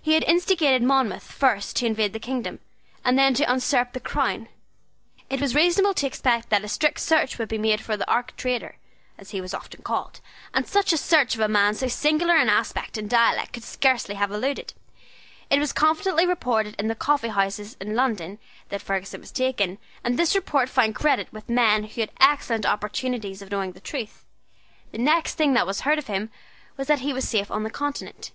He had instigated Monmouth first to invade the kingdom, and then to usurp the crown. It was reasonable to expect that a strict search would be made for the archtraitor, as he was often called; and such a search a man of so singular an aspect and dialect could scarcely have eluded. It was confidently reported in the coffee houses of London that Ferguson was taken, and this report found credit with men who had excellent opportunities of knowing the truth. The next thing that was heard of him was that he was safe on the Continent.